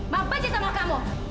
mampan saja sama kamu